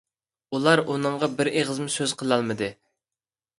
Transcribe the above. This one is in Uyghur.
ئۇلار ئۇنىڭغا بىر ئېغىزمۇ سۆز قىلالمىدى.